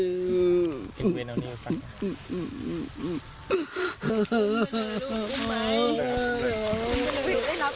เฮ้ยยยยไม่ได้รู้เธอไหม